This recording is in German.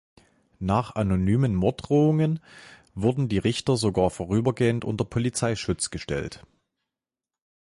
Nach anonymen Morddrohungen wurden die Richter sogar vorübergehend unter Polizeischutz gestellt.